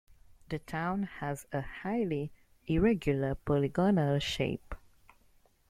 The town has a highly irregular polygonal shape.